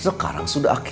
sekarang sudah akil balik